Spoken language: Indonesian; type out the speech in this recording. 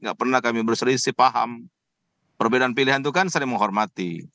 gak pernah kami berselisih paham perbedaan pilihan itu kan sering menghormati